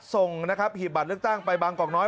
ส่งนะครับหีบบัตรเลือกตั้งไปบางกอกน้อย